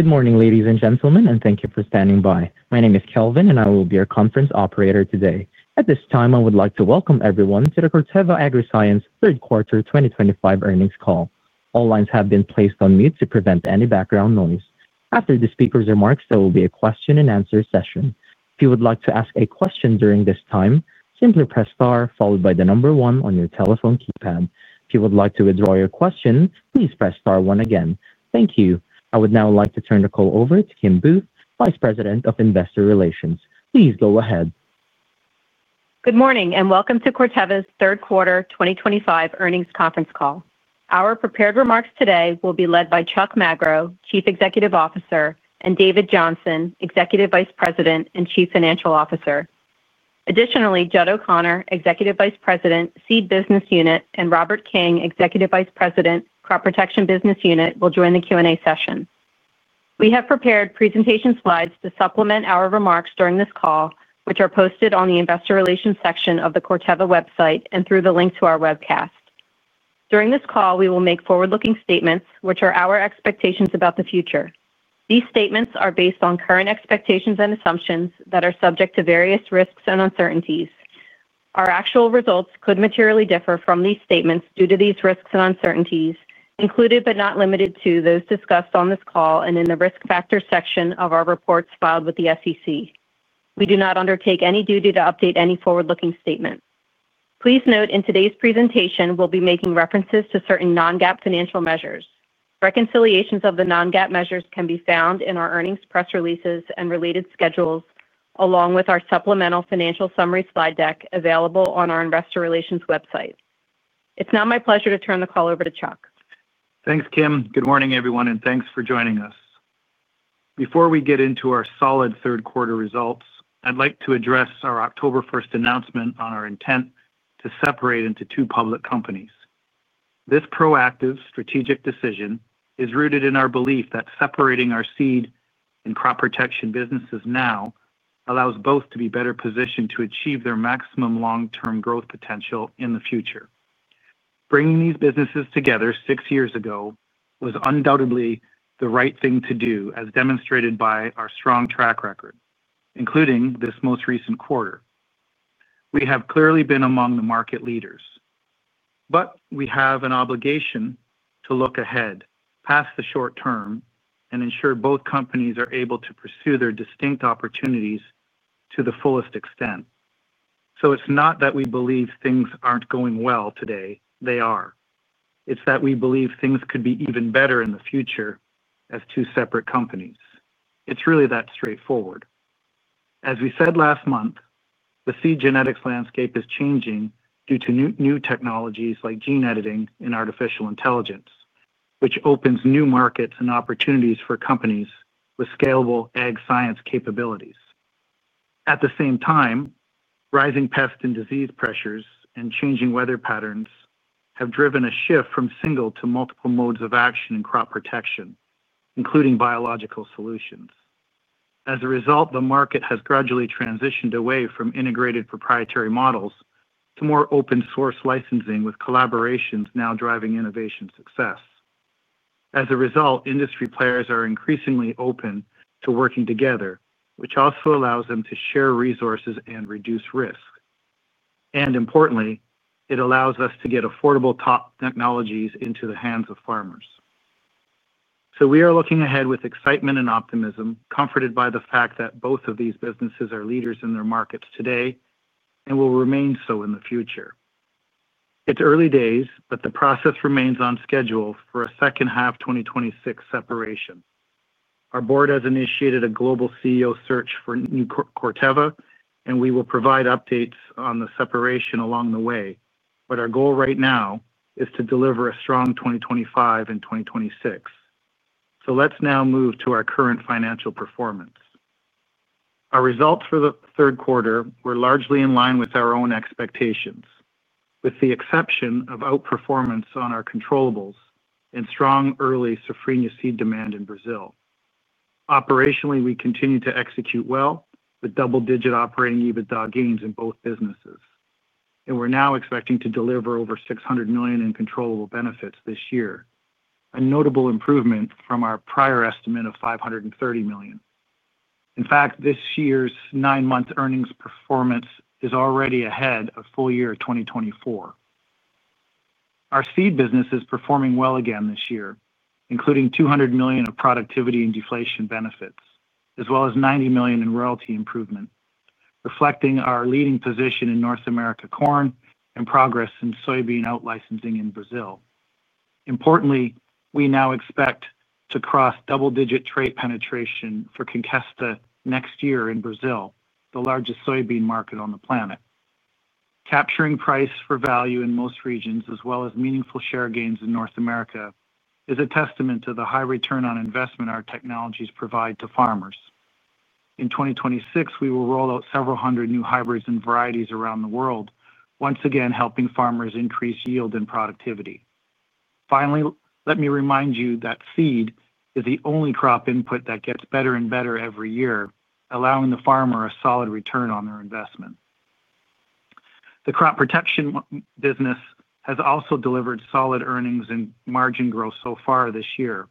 Good morning, ladies and gentlemen, and thank you for standing by. My name is Kelvin, and I will be your conference operator today. At this time, I would like to welcome everyone to the Corteva Agriscience third quarter 2025 earnings call. All lines have been placed on mute to prevent any background noise. After the speaker's remarks, there will be a question and answer session. If you would like to ask a question during this time, simply press star followed by the number one on your telephone keypad. If you would like to withdraw your question, please press star one again. Thank you. I would now like to turn the call over to Kim Booth, Vice President of Investor Relations. Please go ahead. Good morning, and welcome to Corteva's third quarter 2025 earnings conference call. Our prepared remarks today will be led by Chuck Magro, Chief Executive Officer, and David Johnson, Executive Vice President and Chief Financial Officer. Additionally, Judd O'Connor, Executive Vice President, Seed Business Unit, and Robert King, Executive Vice President, Crop Protection Business Unit, will join the Q&A session. We have prepared presentation slides to supplement our remarks during this call, which are posted on the Investor Relations section of the Corteva website and through the link to our webcast. During this call, we will make forward-looking statements, which are our expectations about the future. These statements are based on current expectations and assumptions that are subject to various risks and uncertainties. Our actual results could materially differ from these statements due to these risks and uncertainties, included but not limited to those discussed on this call and in the risk factor section of our reports filed with the SEC. We do not undertake any duty to update any forward-looking statement. Please note in today's presentation, we'll be making references to certain non-GAAP financial measures. Reconciliations of the non-GAAP measures can be found in our earnings press releases and related schedules, along with our supplemental financial summary slide deck available on our Investor Relations website. It's now my pleasure to turn the call over to Chuck. Thanks, Kim. Good morning, everyone, and thanks for joining us. Before we get into our solid third quarter results, I'd like to address our October 1st announcement on our intent to separate into two public companies. This proactive, strategic decision is rooted in our belief that separating our seed and crop protection businesses now allows both to be better positioned to achieve their maximum long-term growth potential in the future. Bringing these businesses together six years ago was undoubtedly the right thing to do, as demonstrated by our strong track record, including this most recent quarter. We have clearly been among the market leaders, but we have an obligation to look ahead, past the short term, and ensure both companies are able to pursue their distinct opportunities to the fullest extent. It's not that we believe things aren't going well today; they are. It's that we believe things could be even better in the future as two separate companies. It's really that straightforward. As we said last month, the seed genetics landscape is changing due to new technologies like gene editing and artificial intelligence, which opens new markets and opportunities for companies with scalable ag science capabilities. At the same time, rising pest and disease pressures and changing weather patterns have driven a shift from single to multiple modes of action in crop protection, including biological solutions. As a result, the market has gradually transitioned away from integrated proprietary models to more open-source licensing, with collaborations now driving innovation success. As a result, industry players are increasingly open to working together, which also allows them to share resources and reduce risk. Importantly, it allows us to get affordable top technologies into the hands of farmers. We are looking ahead with excitement and optimism, comforted by the fact that both of these businesses are leaders in their markets today and will remain so in the future. It's early days, but the process remains on schedule for a second half 2026 separation. Our board has initiated a global CEO search for new Corteva, and we will provide updates on the separation along the way, but our goal right now is to deliver a strong 2025 and 2026. Let's now move to our current financial performance. Our results for the third quarter were largely in line with our own expectations, with the exception of outperformance on our controllables, and strong early safrinha seed demand in Brazil. Operationally, we continue to execute well with double-digit operating EBITDA gains in both businesses, and we're now expecting to deliver over $600 million in controllable benefits this year, a notable improvement from our prior estimate of $530 million. In fact, this year's nine-month earnings performance is already ahead of full year 2024. Our seed business is performing well again this year, including $200 million of productivity and deflation benefits, as well as $90 million in royalty improvement, reflecting our leading position in North America corn and progress in soybean out-licensing in Brazil. Importantly, we now expect to cross double-digit trait penetration for Conkesta next year in Brazil, the largest soybean market on the planet. Capturing price for value in most regions, as well as meaningful share gains in North America, is a testament to the high return on investment our technologies provide to farmers. In 2026, we will roll out several hundred new hybrids and varieties around the world, once again helping farmers increase yield and productivity. Finally, let me remind you that seed is the only crop input that gets better and better every year, allowing the farmer a solid return on their investment. The crop protection business has also delivered solid earnings and margin growth so far this year.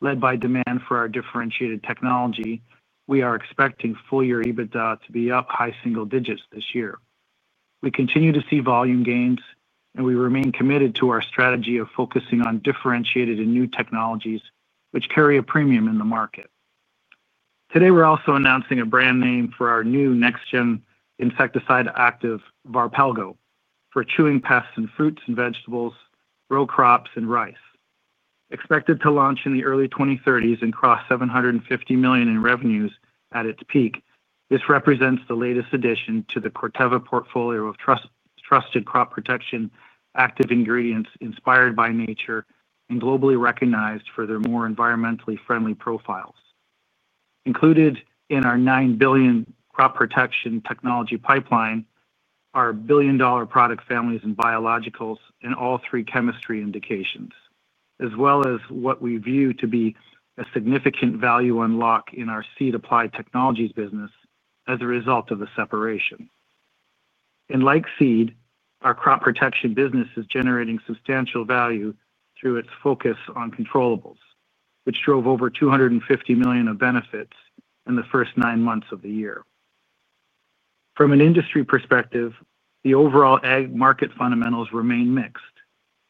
Led by demand for our differentiated technology, we are expecting full year EBITDA to be up high single digits this year. We continue to see volume gains, and we remain committed to our strategy of focusing on differentiated and new technologies, which carry a premium in the market. Today, we're also announcing a brand name for our new next-gen insecticide active, Varpalgo, for chewing pests in fruits and vegetables, row crops, and rice. Expected to launch in the early 2030s and cross $750 million in revenues at its peak, this represents the latest addition to the Corteva portfolio of trusted crop protection active ingredients inspired by nature and globally recognized for their more environmentally friendly profiles. Included in our $9 billion crop protection technology pipeline are billion-dollar product families and biologicals in all three chemistry indications, as well as what we view to be a significant value unlock in our seed applied technologies business as a result of the separation. In like seed, our crop protection business is generating substantial value through its focus on controllables, which drove over $250 million of benefits in the first nine months of the year. From an industry perspective, the overall ag market fundamentals remain mixed.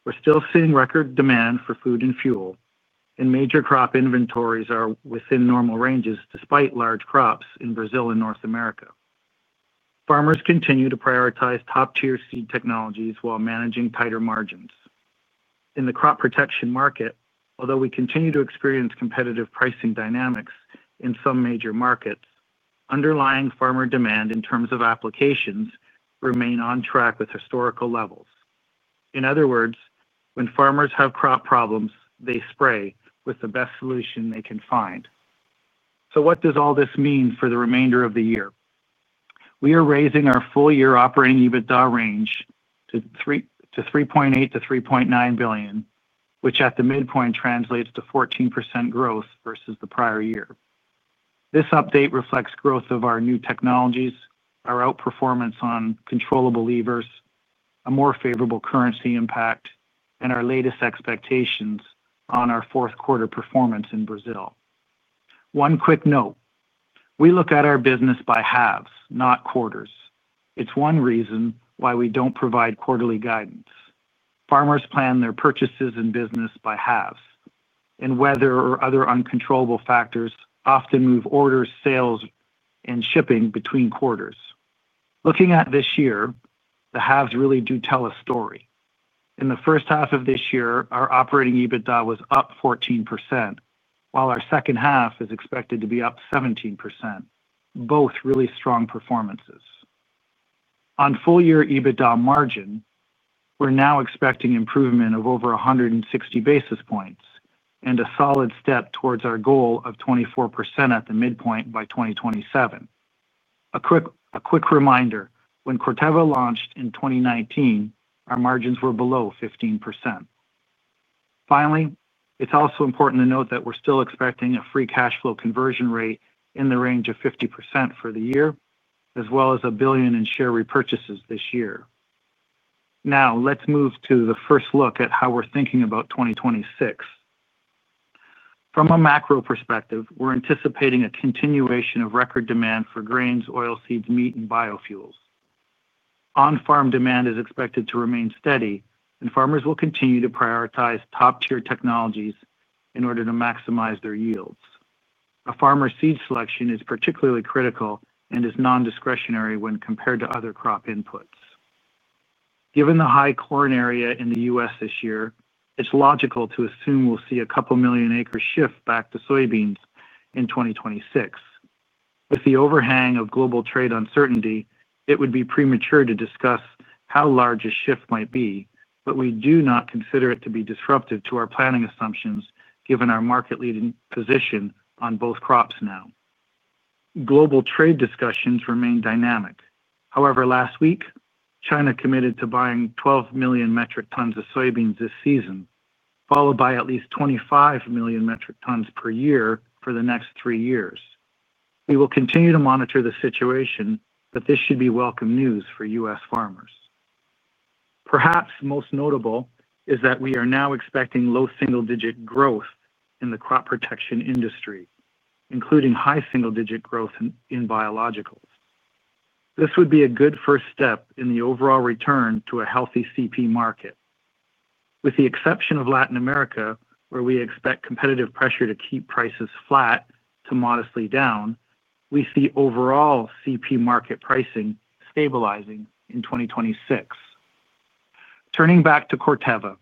We're still seeing record demand for food and fuel, and major crop inventories are within normal ranges despite large crops in Brazil and North America. Farmers continue to prioritize top-tier seed technologies while managing tighter margins. In the crop protection market, although we continue to experience competitive pricing dynamics in some major markets, underlying farmer demand in terms of applications remains on track with historical levels. In other words, when farmers have crop problems, they spray with the best solution they can find. What does all this mean for the remainder of the year? We are raising our full year operating EBITDA range to $3.8 billion-$3.9 billion, which at the midpoint translates to 14% growth versus the prior year. This update reflects growth of our new technologies, our outperformance on controllable levers, a more favorable currency impact, and our latest expectations on our fourth quarter performance in Brazil. One quick note: we look at our business by halves, not quarters. It's one reason why we don't provide quarterly guidance. Farmers plan their purchases and business by halves, and weather or other uncontrollable factors often move orders, sales, and shipping between quarters. Looking at this year, the halves really do tell a story. In the first half of this year, our operating EBITDA was up 14%, while our second half is expected to be up 17%. Both really strong performances. On full year EBITDA margin, we're now expecting improvement of over 160 basis points and a solid step towards our goal of 24% at the midpoint by 2027. A quick reminder: when Corteva launched in 2019, our margins were below 15%. Finally, it's also important to note that we're still expecting a free cash flow conversion rate in the range of 50% for the year, as well as $1 billion in share repurchases this year. Now, let's move to the first look at how we're thinking about 2026. From a macro perspective, we're anticipating a continuation of record demand for grains, oilseeds, meat, and biofuels. On-farm demand is expected to remain steady, and farmers will continue to prioritize top-tier technologies in order to maximize their yields. A farmer's seed selection is particularly critical and is non-discretionary when compared to other crop inputs. Given the high corn area in the U.S. this year, it's logical to assume we'll see a couple million acres shift back to soybeans in 2026. With the overhang of global trade uncertainty, it would be premature to discuss how large a shift might be, but we do not consider it to be disruptive to our planning assumptions given our market-leading position on both crops now. Global trade discussions remain dynamic. However, last week, China committed to buying 12 million metric tons of soybeans this season, followed by at least 25 million metric tons per year for the next three years. We will continue to monitor the situation, but this should be welcome news for U.S. farmers. Perhaps most notable is that we are now expecting low single-digit growth in the crop protection industry, including high single-digit growth in biologicals. This would be a good first step in the overall return to a healthy CP market. With the exception of Latin America, where we expect competitive pressure to keep prices flat to modestly down, we see overall CP market pricing stabilizing in 2026. Turning back to Corteva,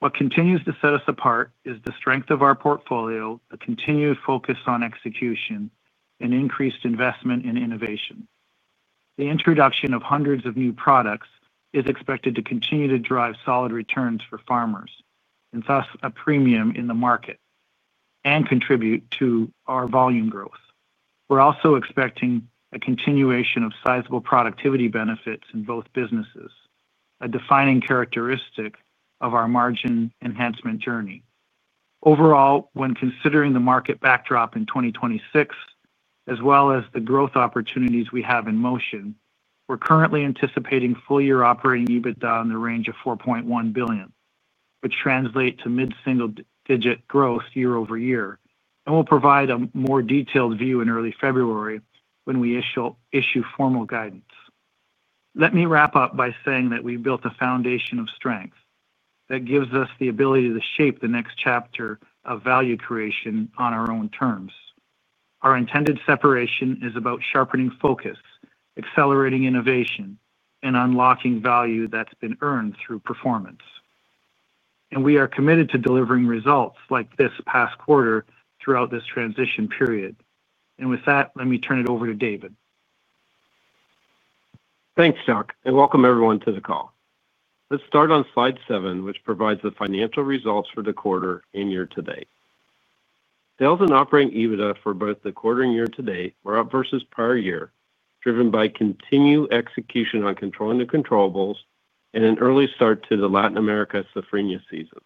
what continues to set us apart is the strength of our portfolio, a continued focus on execution, and increased investment in innovation. The introduction of hundreds of new products is expected to continue to drive solid returns for farmers and thus a premium in the market. It will contribute to our volume growth. We're also expecting a continuation of sizable productivity benefits in both businesses, a defining characteristic of our margin enhancement journey. Overall, when considering the market backdrop in 2026, as well as the growth opportunities we have in motion, we're currently anticipating full year operating EBITDA in the range of $4.1 billion, which translates to mid-single digit growth year over year, and we'll provide a more detailed view in early February when we issue formal guidance. Let me wrap up by saying that we've built a foundation of strength that gives us the ability to shape the next chapter of value creation on our own terms. Our intended separation is about sharpening focus, accelerating innovation, and unlocking value that's been earned through performance. We are committed to delivering results like this past quarter throughout this transition period. With that, let me turn it over to David. Thanks, Chuck, and welcome everyone to the call. Let's start on slide seven, which provides the financial results for the quarter and year-to-date. Sales and operating EBITDA for both the quarter and year-to-date were up versus prior year, driven by continued execution on controlling the controllables, and an early start to the Latin America safrinha season.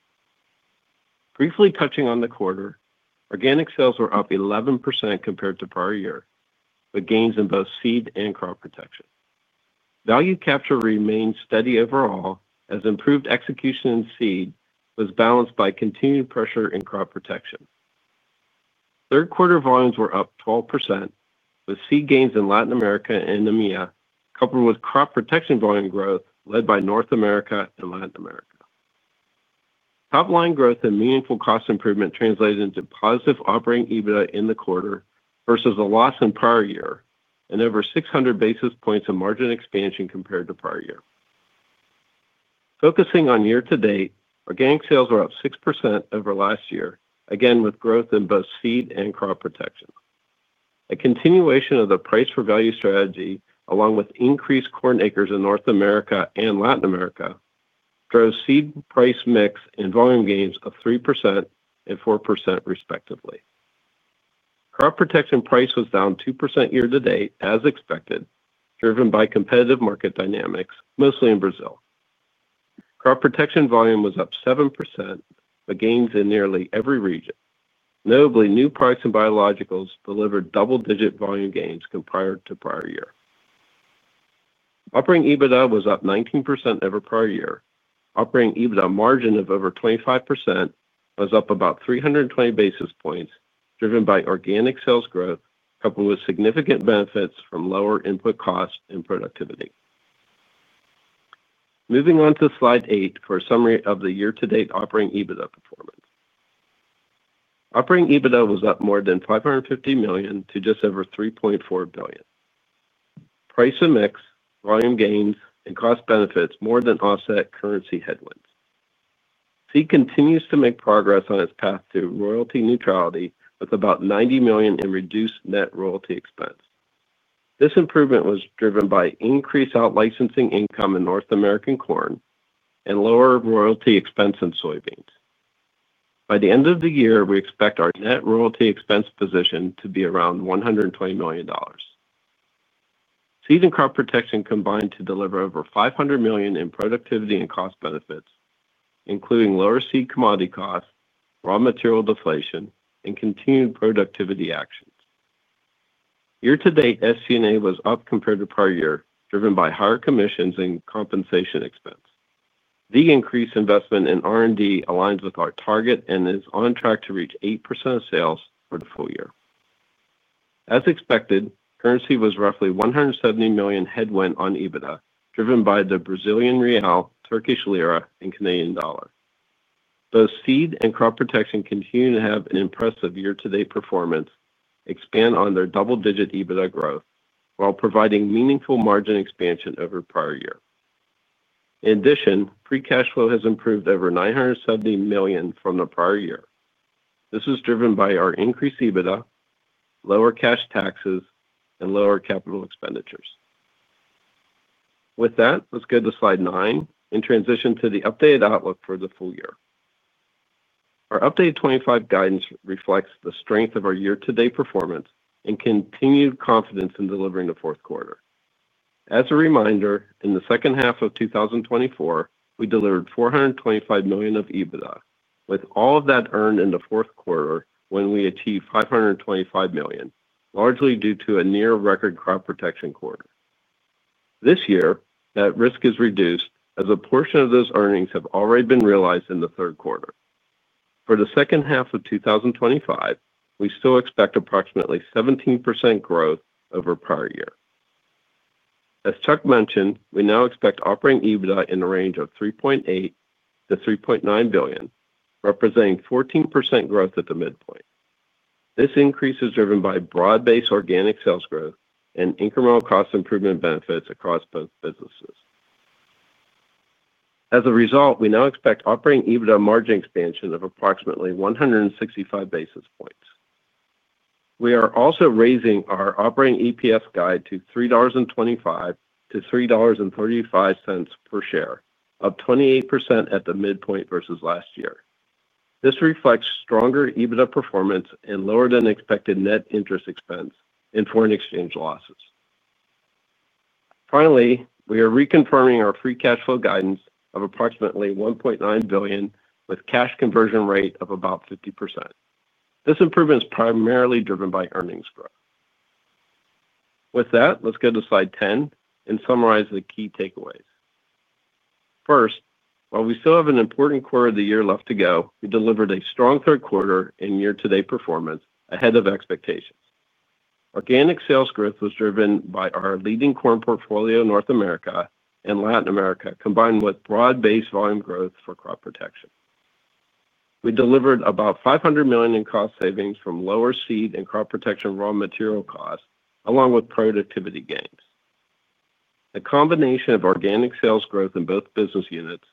Briefly touching on the quarter, organic sales were up 11% compared to prior year, with gains in both seed and crop protection. Value capture remained steady overall, as improved execution in seed was balanced by continued pressure in crop protection. Third quarter volumes were up 12%, with seed gains in Latin America and Namibia coupled with crop protection volume growth led by North America and Latin America. Top-line growth and meaningful cost improvement translated into positive operating EBITDA in the quarter versus a loss in prior year, and over 600 basis points of margin expansion compared to prior year. Focusing on year-to-date, organic sales were up 6% over last year, again with growth in both seed and crop protection. A continuation of the price-for-value strategy, along with increased corn acres in North America and Latin America, drove seed price mix and volume gains of 3% and 4% respectively. Crop protection price was down 2% year-to-date, as expected, driven by competitive market dynamics, mostly in Brazil. Crop protection volume was up 7%, with gains in nearly every region. Notably, new products and biologicals delivered double-digit volume gains compared to prior year. Operating EBITDA was up 19% over prior year. Operating EBITDA margin of over 25% was up about 320 basis points, driven by organic sales growth coupled with significant benefits from lower input costs and productivity. Moving on to slide eight for a summary of the year-to-date operating EBITDA performance. Operating EBITDA was up more than $550 million to just over $3.4 billion. Price and mix, volume gains, and cost benefits more than offset currency headwinds. Seed continues to make progress on its path to royalty neutrality with about $90 million in reduced net royalty expense. This improvement was driven by increased outlicensing income in North American corn and lower royalty expense in soybeans. By the end of the year, we expect our net royalty expense position to be around $120 million. Seed and crop protection combined to deliver over $500 million in productivity and cost benefits, including lower seed commodity costs, raw material deflation, and continued productivity actions. Year-to-date, SG&A was up compared to prior year, driven by higher commissions and compensation expense. The increased investment in R&D aligns with our target and is on track to reach 8% of sales for the full year. As expected, currency was roughly $170 million headwind on EBITDA, driven by the Brazilian real, Turkish lira, and Canadian dollar. Both seed and crop protection continue to have an impressive year-to-date performance, expand on their double-digit EBITDA growth, while providing meaningful margin expansion over prior year. In addition, free cash flow has improved over $970 million from the prior year. This was driven by our increased EBITDA, lower cash taxes, and lower capital expenditures. With that, let's go to slide nine and transition to the updated outlook for the full year. Our updated 2025 guidance reflects the strength of our year-to-date performance and continued confidence in delivering the fourth quarter. As a reminder, in the second half of 2024, we delivered $425 million of EBITDA, with all of that earned in the fourth quarter when we achieved $525 million, largely due to a near-record crop protection quarter. This year, that risk is reduced as a portion of those earnings have already been realized in the third quarter. For the second half of 2025, we still expect approximately 17% growth over prior year. As Chuck mentioned, we now expect operating EBITDA in the range of $3.8 billion-$3.9 billion, representing 14% growth at the midpoint. This increase is driven by broad-based organic sales growth and incremental cost improvement benefits across both businesses. As a result, we now expect operating EBITDA margin expansion of approximately 165 basis points. We are also raising our operating EPS guide to $3.25-$3.35 per share, up 28% at the midpoint versus last year. This reflects stronger EBITDA performance and lower than expected net interest expense and foreign exchange losses. Finally, we are reconfirming our free cash flow guidance of approximately $1.9 billion, with cash conversion rate of about 50%. This improvement is primarily driven by earnings growth. With that, let's go to slide 10 and summarize the key takeaways. First, while we still have an important quarter of the year left to go, we delivered a strong third quarter and year-to-date performance ahead of expectations. Organic sales growth was driven by our leading corn portfolio in North America and Latin America, combined with broad-based volume growth for crop protection. We delivered about $500 million in cost savings from lower seed and crop protection raw material costs, along with productivity gains. The combination of organic sales growth in both business units,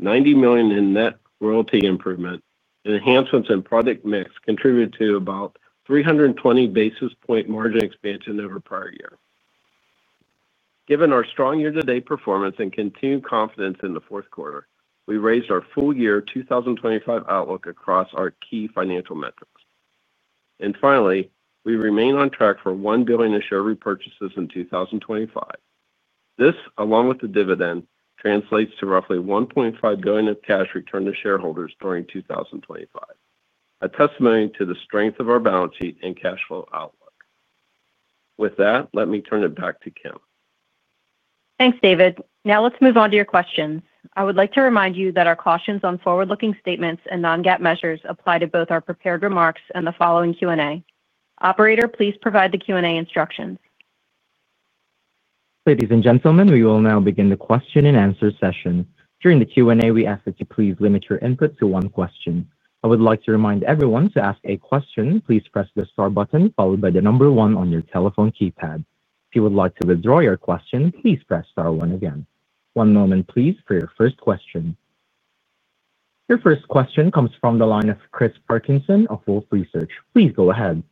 $90 million in net royalty improvement, and enhancements in product mix contributed to about 320 basis point margin expansion over prior year. Given our strong year-to-date performance and continued confidence in the fourth quarter, we raised our full year 2025 outlook across our key financial metrics. Finally, we remain on track for $1 billion in share repurchases in 2025. This, along with the dividend, translates to roughly $1.5 billion of cash return to shareholders during 2025, a testimony to the strength of our balance sheet and cash flow outlook. With that, let me turn it back to Kim. Thanks, David. Now let's move on to your questions. I would like to remind you that our cautions on forward-looking statements and non-GAAP measures apply to both our prepared remarks and the following Q&A. Operator, please provide the Q&A instructions. Ladies and gentlemen, we will now begin the question and answer session. During the Q&A, we ask that you please limit your input to one question. I would like to remind everyone to ask a question. Please press the star button followed by the number one on your telephone keypad. If you would like to withdraw your question, please press star one again. One moment, please, for your first question. Your first question comes from the line of Chris Parkinson of Wolfe Research. Please go ahead.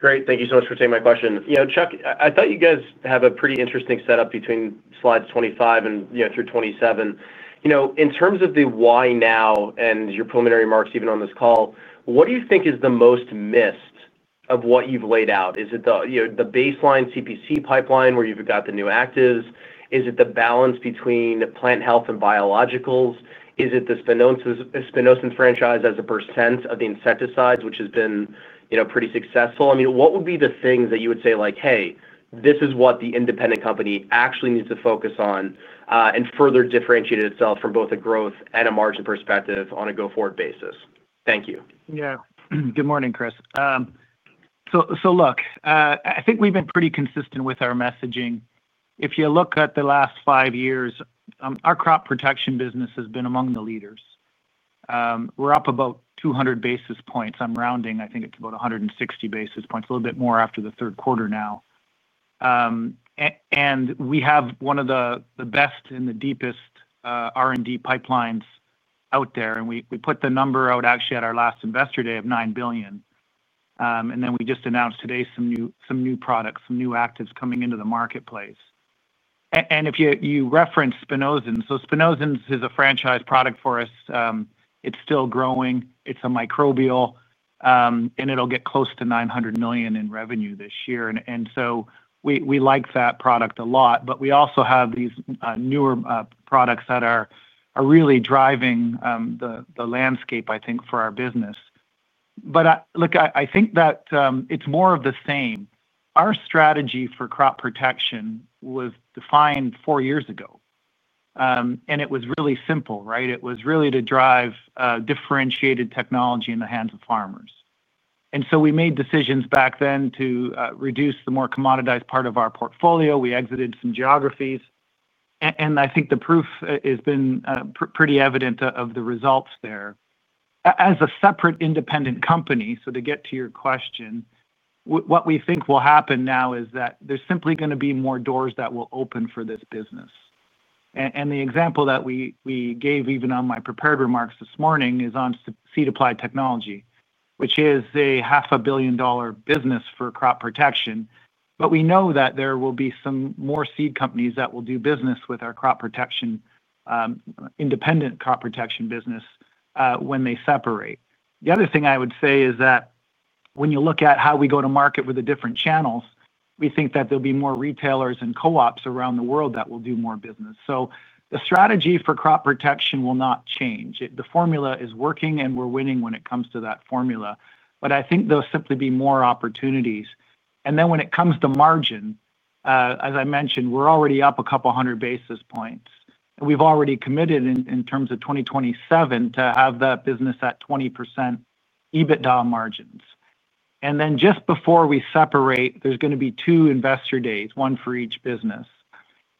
Great. Thank you so much for taking my question. Chuck, I thought you guys have a pretty interesting setup between slides 25 and through 27. In terms of the why now and your preliminary remarks even on this call, what do you think is the most missed of what you've laid out? Is it the baseline CPC pipeline where you've got the new actives? Is it the balance between the plant health and biologicals? Is it the Spinosad franchise as a percent of the insecticides, which has been pretty successful? I mean, what would be the things that you would say, like, "Hey, this is what the independent company actually needs to focus on." Further differentiate itself from both a growth and a margin perspective on a go-forward basis? Thank you. Yeah. Good morning, Chris. Look, I think we've been pretty consistent with our messaging. If you look at the last five years, our crop protection business has been among the leaders. We're up about 200 basis points. I'm rounding. I think it's about 160 basis points, a little bit more after the third quarter now. We have one of the best and the deepest R&D pipelines out there. We put the number out actually at our last investor day of $9 billion. We just announced today some new products, some new actives coming into the marketplace. If you reference Spinosad, Spinosad is a franchise product for us. It's still growing. It's a microbial. It'll get close to $900 million in revenue this year. We like that product a lot. We also have these newer products that are really driving the landscape, I think, for our business. I think that it's more of the same. Our strategy for crop protection was defined four years ago. It was really simple, right? It was really to drive differentiated technology in the hands of farmers. We made decisions back then to reduce the more commoditized part of our portfolio. We exited some geographies. I think the proof has been pretty evident of the results there. As a separate independent company, to get to your question, what we think will happen now is that there is simply going to be more doors that will open for this business. The example that we gave, even in my prepared remarks this morning, is on seed-applied technology, which is a $500,000,000 business for crop protection. We know that there will be some more seed companies that will do business with our crop protection independent crop protection business when they separate. The other thing I would say is that when you look at how we go to market with the different channels, we think that there will be more retailers and co-ops around the world that will do more business. The strategy for crop protection will not change. The formula is working, and we are winning when it comes to that formula. I think there'll simply be more opportunities. When it comes to margin, as I mentioned, we're already up a couple hundred basis points. We've already committed in terms of 2027 to have that business at 20% EBITDA margins. Just before we separate, there's going to be two investor days, one for each business.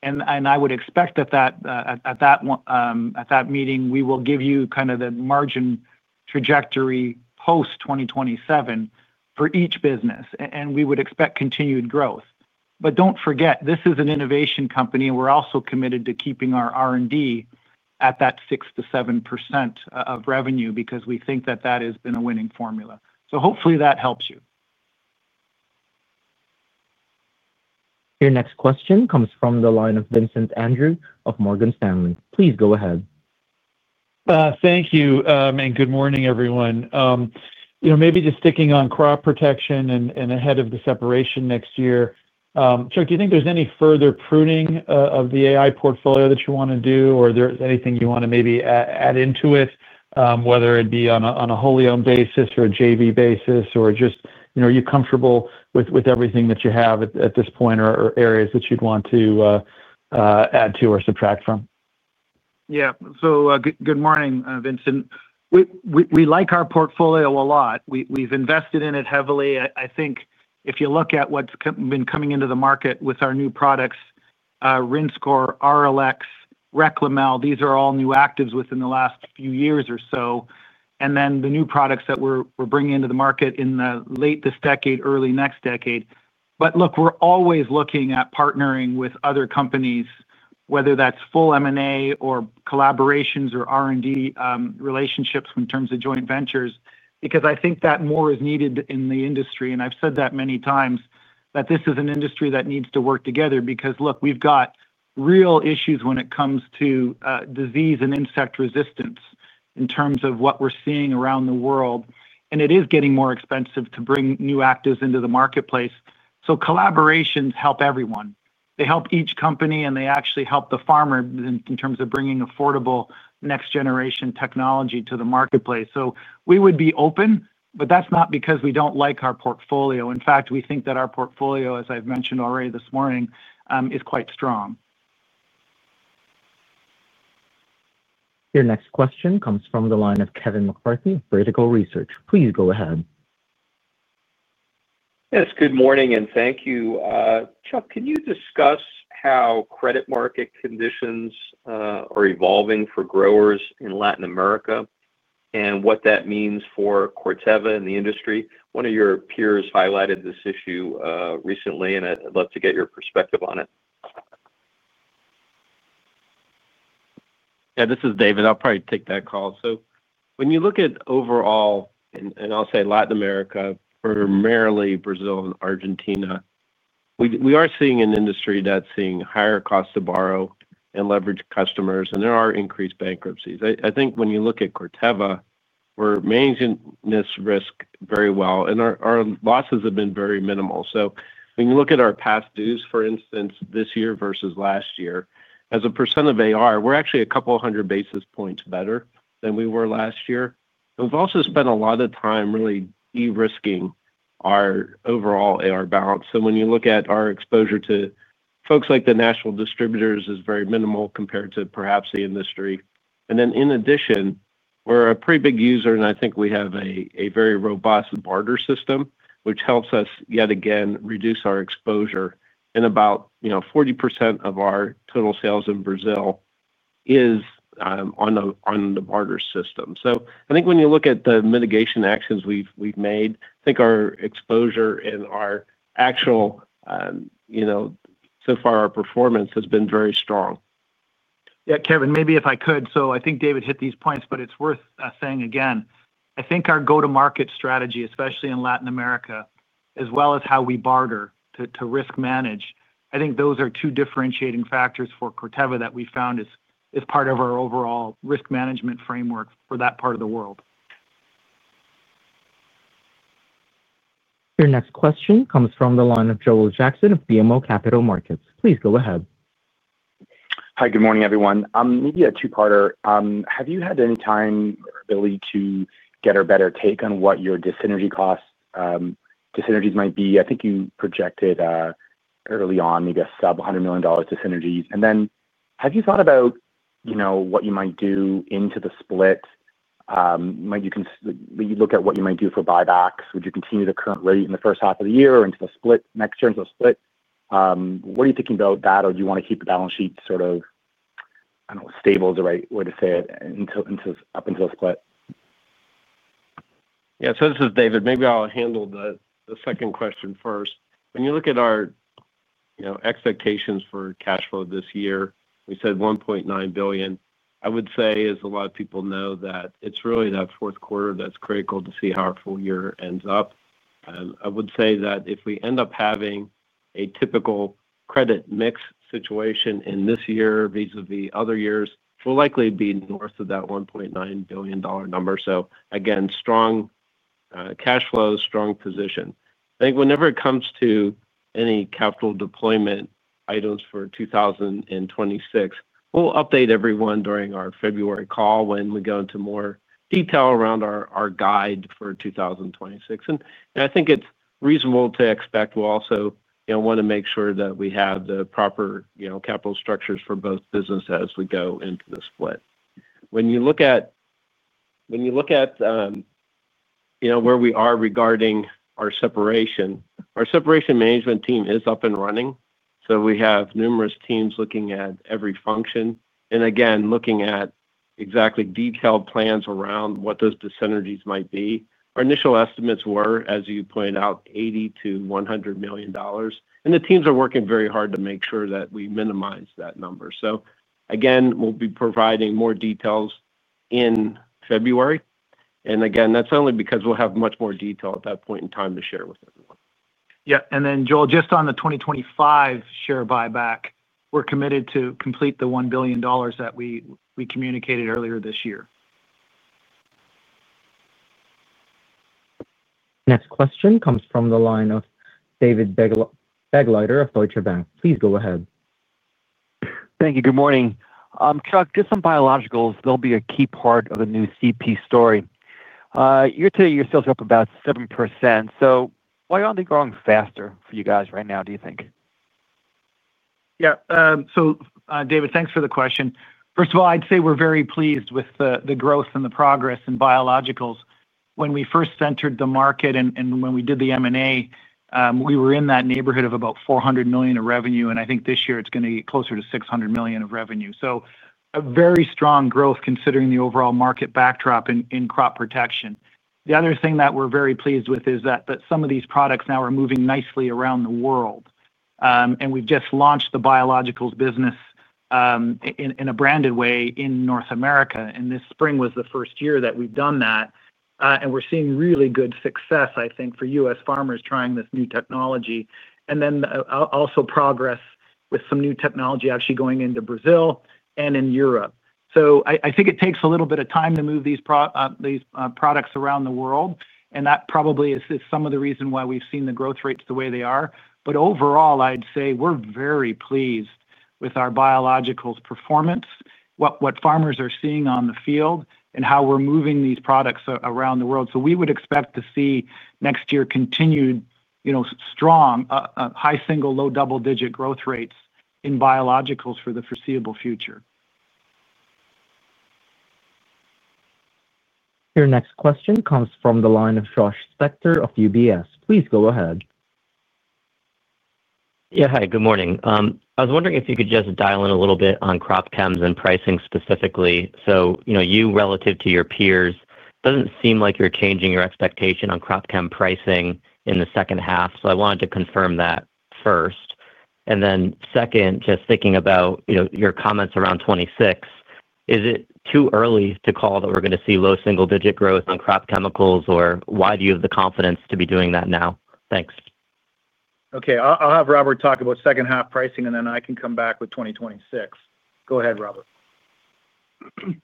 I would expect that at that meeting, we will give you kind of the margin trajectory post-2027 for each business. We would expect continued growth. Don't forget, this is an innovation company, and we're also committed to keeping our R&D at that 6%-7% of revenue because we think that that has been a winning formula. Hopefully that helps you. Your next question comes from the line of Vincent Andrews of Morgan Stanley. Please go ahead. Thank you. Good morning, everyone. Maybe just sticking on crop protection and ahead of the separation next year. Chuck, do you think there's any further pruning of the AI portfolio that you want to do, or is there anything you want to maybe add into it, whether it be on a wholly-owned basis or a JV basis, or just are you comfortable with everything that you have at this point or areas that you'd want to add to or subtract from? Yeah. Good morning, Vincent. We like our portfolio a lot. We've invested in it heavily. I think if you look at what's been coming into the market with our new products, Rinskor, Arylex, Reklemel, these are all new actives within the last few years or so. And then the new products that we're bringing into the market in the late this decade, early next decade. Look, we're always looking at partnering with other companies, whether that's full M&A or collaborations or R&D relationships in terms of joint ventures, because I think that more is needed in the industry. I've said that many times, that this is an industry that needs to work together because, look, we've got real issues when it comes to disease and insect resistance in terms of what we're seeing around the world. It is getting more expensive to bring new actives into the marketplace. Collaborations help everyone. They help each company, and they actually help the farmer in terms of bringing affordable next-generation technology to the marketplace. We would be open, but that's not because we do not like our portfolio. In fact, we think that our portfolio, as I've mentioned already this morning, is quite strong. Your next question comes from the line of Kevin McCarthy, Vertical Research. Please go ahead. Yes. Good morning and thank you. Chuck, can you discuss how credit market conditions are evolving for growers in Latin America and what that means for Corteva in the industry? One of your peers highlighted this issue recently, and I'd love to get your perspective on it. Yeah. This is David. I'll probably take that call. So when you look at overall, and I'll say Latin America, primarily Brazil and Argentina, we are seeing an industry that's seeing higher costs to borrow and leverage customers, and there are increased bankruptcies. I think when you look at Corteva, we're managing this risk very well, and our losses have been very minimal. When you look at our past dues, for instance, this year versus last year, as a percent of AR, we're actually a couple hundred basis points better than we were last year. We've also spent a lot of time really de-risking our overall AR balance. When you look at our exposure to folks like the national distributors, it is very minimal compared to perhaps the industry. In addition, we're a pretty big user, and I think we have a very robust barter system, which helps us yet again reduce our exposure. About 40% of our total sales in Brazil is on the barter system. I think when you look at the mitigation actions we've made, I think our exposure and our actual, so far, our performance has been very strong. Yeah. Kevin, maybe if I could. I think David hit these points, but it's worth saying again, I think our go-to-market strategy, especially in Latin America, as well as how we barter to risk manage, I think those are two differentiating factors for Corteva that we found is part of our overall risk management framework for that part of the world. Your next question comes from the line of Joel Jackson of BMO Capital Markets. Please go ahead. Hi. Good morning, everyone. I'm maybe a two-parter. Have you had any time or ability to get a better take on what your synergy costs, synergies might be? I think you projected early on, maybe a sub-$100 million to synergies. And then have you thought about what you might do into the split? You can maybe look at what you might do for buybacks. Would you continue the current rate in the first half of the year or into the split next year into the split? What are you thinking about that? Or do you want to keep the balance sheet sort of, I do not know, stable is the right way to say it until up until the split? Yeah. This is David. Maybe I will handle the second question first. When you look at our expectations for cash flow this year, we said $1.9 billion. I would say, as a lot of people know, that it is really that fourth quarter that is critical to see how our full year ends up. I would say that if we end up having a typical credit mix situation in this year vis-à-vis other years, we will likely be north of that $1.9 billion number. Again, strong cash flow, strong position. I think whenever it comes to any capital deployment items for 2026, we'll update everyone during our February call when we go into more detail around our guide for 2026. I think it's reasonable to expect. We also want to make sure that we have the proper capital structures for both businesses as we go into the split. When you look at where we are regarding our separation, our separation management team is up and running. We have numerous teams looking at every function. Again, looking at exactly detailed plans around what those synergies might be. Our initial estimates were, as you pointed out, $80 million-$100 million. The teams are working very hard to make sure that we minimize that number. Again, we'll be providing more details in February. Again, that's only because we'll have much more detail at that point in time to share with everyone. Yeah. Then, Joel, just on the 2025 share buyback, we're committed to complete the $1 billion that we communicated earlier this year. Next question comes from the line of David Begleiter of Deutsche Bank. Please go ahead. Thank you. Good morning. Chuck, just on biologicals, they'll be a key part of the new CP story. Year to year, sales are up about 7%. Why aren't they growing faster for you guys right now, do you think? Yeah. David, thanks for the question. First of all, I'd say we're very pleased with the growth and the progress in biologicals. When we first entered the market and when we did the M&A, we were in that neighborhood of about $400 million of revenue. I think this year it's going to be closer to $600 million of revenue. A very strong growth considering the overall market backdrop in crop protection. The other thing that we're very pleased with is that some of these products now are moving nicely around the world. We've just launched the biologicals business in a branded way in North America. This spring was the first year that we've done that. We're seeing really good success, I think, for U.S. farmers trying this new technology. Also, progress with some new technology actually going into Brazil and in Europe. I think it takes a little bit of time to move these products around the world. That probably is some of the reason why we've seen the growth rates the way they are. Overall, I'd say we're very pleased with our biologicals performance, what farmers are seeing on the field, and how we're moving these products around the world. We would expect to see next year continued strong, high single- to low double-digit growth rates in biologicals for the foreseeable future. Your next question comes from the line of Josh Spector of UBS. Please go ahead. Yeah. Hi. Good morning. I was wondering if you could just dial in a little bit on crop chems and pricing specifically. You, relative to your peers, it doesn't seem like you're changing your expectation on crop chem pricing in the second half. I wanted to confirm that first. And then second, just thinking about your comments around 2026, is it too early to call that we're going to see low single-digit growth on crop chemicals, or why do you have the confidence to be doing that now? Thanks. Okay. I'll have Robert talk about second-half pricing, and then I can come back with 2026. Go ahead, Robert.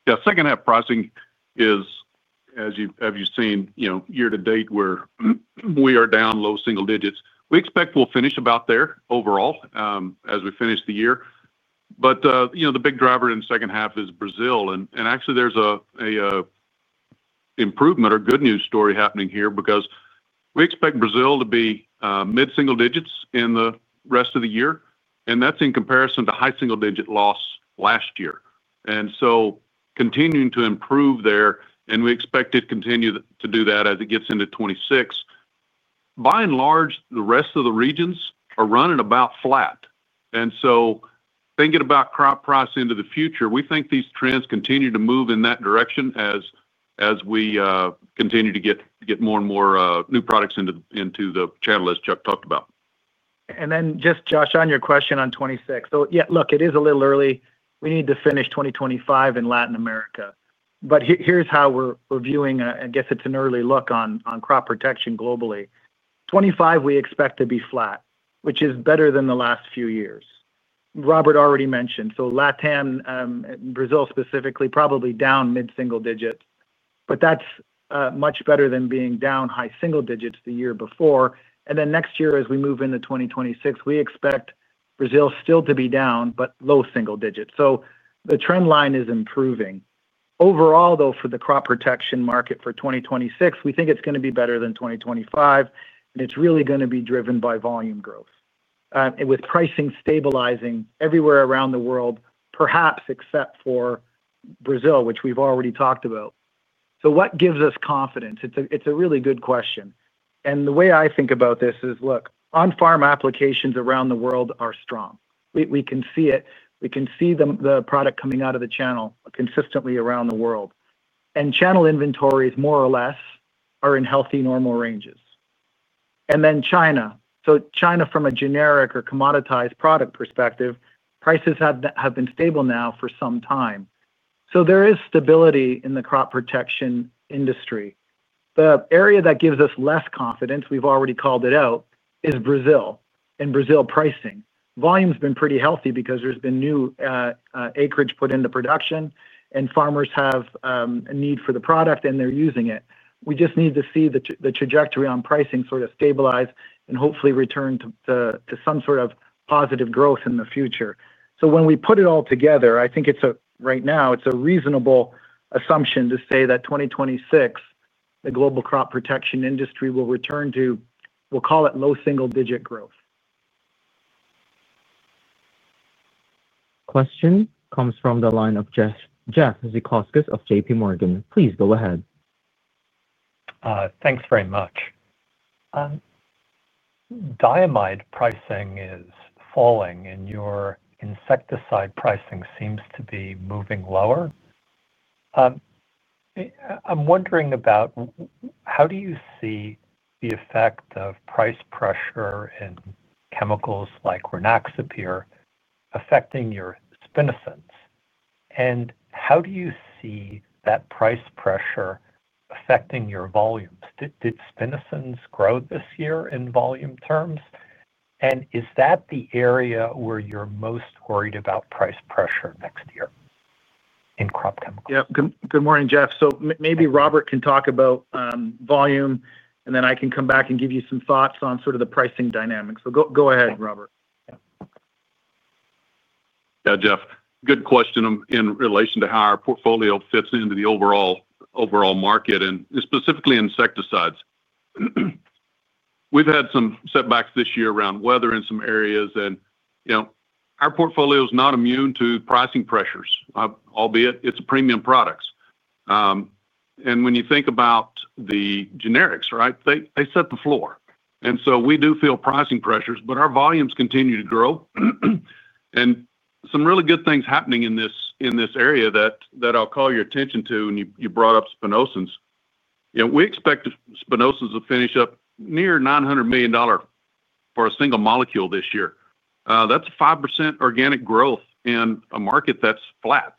Yeah. Second-half pricing is, as you have seen year to date, where we are down low single digits. We expect we'll finish about there overall as we finish the year. The big driver in the second half is Brazil. Actually, there's an improvement or good news story happening here because we expect Brazil to be mid-single digits in the rest of the year. That's in comparison to high single-digit loss last year. Continuing to improve there, and we expect it to continue to do that as it gets into 2026. By and large, the rest of the regions are running about flat. Thinking about crop price into the future, we think these trends continue to move in that direction as we continue to get more and more new products into the channel as Chuck talked about. Just, Josh, on your question on 2026, yeah, look, it is a little early. We need to finish 2025 in Latin America. Here's how we're viewing, I guess it's an early look on crop protection globally. For 2025, we expect to be flat, which is better than the last few years, Robert already mentioned. LATAM, Brazil specifically, probably down mid-single digits. That's much better than being down high single digits the year before. Next year, as we move into 2026, we expect Brazil still to be down, but low single digits. The trend line is improving. Overall, though, for the crop protection market for 2026, we think it is going to be better than 2025. It is really going to be driven by volume growth. With pricing stabilizing everywhere around the world, perhaps except for Brazil, which we have already talked about. What gives us confidence? It is a really good question. The way I think about this is, look, on-farm applications around the world are strong. We can see it. We can see the product coming out of the channel consistently around the world. Channel inventories, more or less, are in healthy normal ranges. Then China. China, from a generic or commoditized product perspective, prices have been stable now for some time. There is stability in the crop protection industry. The area that gives us less confidence, we've already called it out, is Brazil and Brazil pricing. Volume has been pretty healthy because there's been new acreage put into production, and farmers have a need for the product, and they're using it. We just need to see the trajectory on pricing sort of stabilize and hopefully return to some sort of positive growth in the future. When we put it all together, I think right now it's a reasonable assumption to say that 2026, the global crop protection industry will return to, we'll call it low single-digit growth. Question comes from the line of Jeff Zekauskas of JP Morgan. Please go ahead. Thanks very much. Diamide pricing is falling, and your insecticide pricing seems to be moving lower. I'm wondering about. How do you see the effect of price pressure and chemicals like Rynaxypyr affecting your Spinosad, and how do you see that price pressure affecting your volumes? Did Spinosad grow this year in volume terms, and is that the area where you're most worried about price pressure next year. In crop chemicals? Yeah. Good morning, Jeff. Maybe Robert can talk about volume, and then I can come back and give you some thoughts on sort of the pricing dynamics. Go ahead, Robert. Yeah. Jeff, good question in relation to how our portfolio fits into the overall market, and specifically insecticides. We've had some setbacks this year around weather in some areas, and our portfolio is not immune to pricing pressures, albeit it's premium products. When you think about the generics, right, they set the floor. We do feel pricing pressures, but our volumes continue to grow. Some really good things are happening in this area that I'll call your attention to, and you brought up Spinosad. We expect Spinosad to finish up near $900 million for a single molecule this year. That's 5% organic growth in a market that's flat.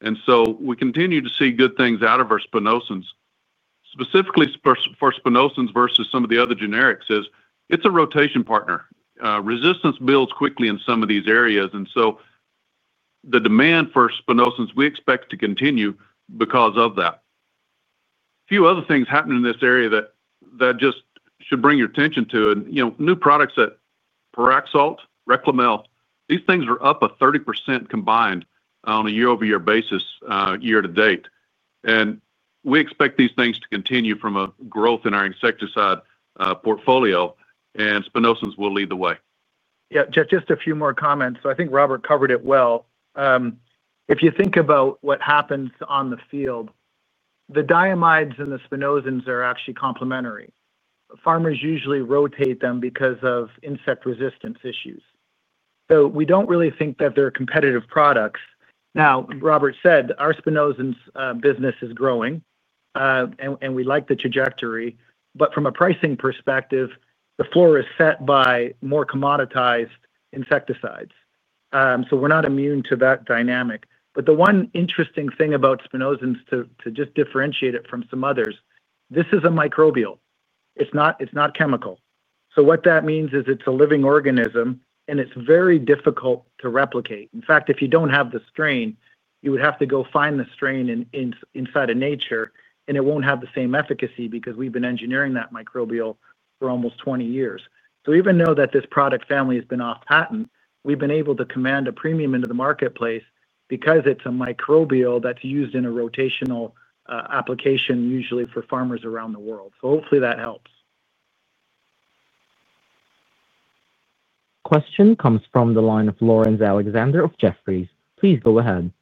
We continue to see good things out of our Spinosad. Specifically for Spinosad versus some of the other generics, it's a rotation partner. Resistance builds quickly in some of these areas. The demand for Spinosad, we expect to continue because of that. A few other things happening in this area that I should bring your attention to: new products like [Exalt], Reklemel, these things are up 30% combined on a year-over-year basis year to date. We expect these things to continue from a growth in our insecticide portfolio, and Spinosad will lead the way. Yeah. Just a few more comments. I think Robert covered it well. If you think about what happens on the field, the diamides and the Spinosad are actually complementary. Farmers usually rotate them because of insect resistance issues. We do not really think that they are competitive products. Robert said our Spinosad business is growing, and we like the trajectory. From a pricing perspective, the floor is set by more commoditized insecticides, so we are not immune to that dynamic. The one interesting thing about Spinosad, to just differentiate it from some others, this is a microbial. It is not chemical. What that means is it is a living organism, and it is very difficult to replicate. In fact, if you don't have the strain, you would have to go find the strain inside of nature, and it won't have the same efficacy because we've been engineering that microbial for almost 20 years. Even though this product family has been off patent, we've been able to command a premium into the marketplace because it's a microbial that's used in a rotational application, usually for farmers around the world. Hopefully that helps. Question comes from the line of Laurence Alexander of Jefferies. Please go ahead.